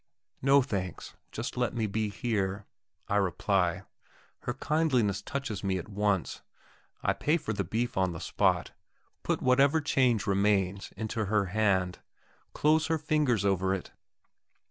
"No, thanks; just let me be here," I reply; her kindliness touches me at once. I pay for the beef on the spot, put whatever change remains into her hand, close her fingers over it.